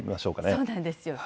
そうなんですよ。